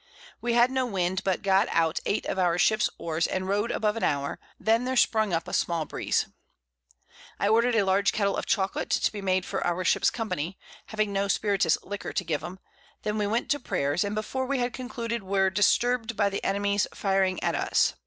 We had no Wind, but got out 8 of our Ships Oars, and rowed above an Hour; then there sprung up a small Breeze. I order'd a large Kettle of Chocolate to be made for our Ship's Company (having no spiritous Liquor to give them;) then we went to Prayers, and before we had concluded were disturb'd by the Enemy's firing at us.